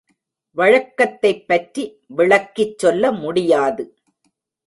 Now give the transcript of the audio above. வழக்கத்தைப்பற்றி விளக்கிச் சொல்ல முடியாது.